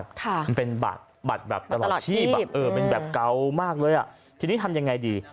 ค่ะเป็นแบบตลอดชีพเป็นแบบเกามากเลยที่นี่ทำยังไงดี